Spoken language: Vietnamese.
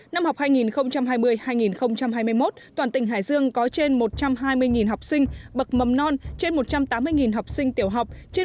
năm học hai nghìn hai mươi hai nghìn hai mươi một toàn tỉnh hải dương có trên một trăm hai mươi học sinh bậc mầm non trên một trăm tám mươi học sinh tiểu học